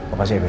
apa sih bir